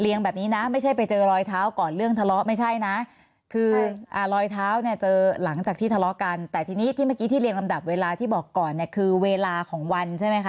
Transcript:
แบบนี้นะไม่ใช่ไปเจอรอยเท้าก่อนเรื่องทะเลาะไม่ใช่นะคือรอยเท้าเนี่ยเจอหลังจากที่ทะเลาะกันแต่ทีนี้ที่เมื่อกี้ที่เรียงลำดับเวลาที่บอกก่อนเนี่ยคือเวลาของวันใช่ไหมคะ